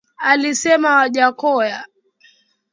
Alisema Wajackoya